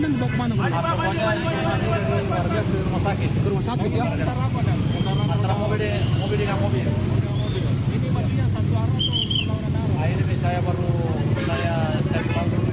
ini saya baru mulai cari balik